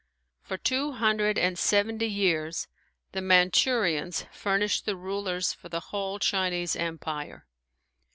For two hundred and seventy years the Manchurians furnished the rulers for the whole Chinese Empire.